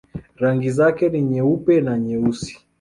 Rangi zake ni nyeupe na nyeusi.